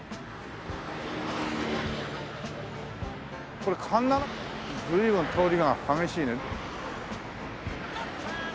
これ環七？随分通りが激しいね。